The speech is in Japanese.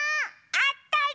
あったり！